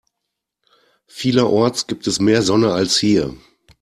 Vielerorts gibt es mehr Sonne als hier.